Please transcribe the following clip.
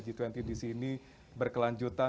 g dua puluh disini berkelanjutan